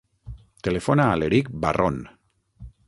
Telefona a l'Erik Barron.